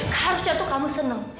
harus jatuh kamu senang